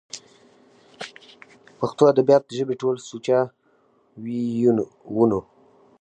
پښتو ادبيات د ژبې ټول سوچه وييونو